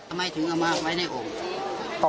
ทำไมถึงเอามาไว้ในโอ่ง